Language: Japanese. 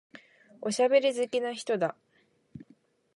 おしゃべり好きな人だ。